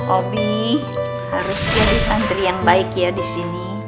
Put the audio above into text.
obi harus jadi santri yang baik ya di sini